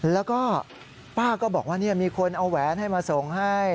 แล้วก็ป้าก็บอกว่ามีคนเอาแหวนให้มาส่งให้